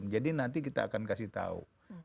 jadi nanti kita akan kasih tahu